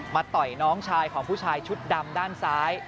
ต่อยน้องชายของผู้ชายชุดดำด้านซ้าย